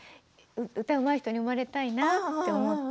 歌がうまい人に生まれたいなと思って。